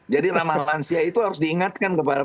jadi ramah lansia itu harus diingatkan kepada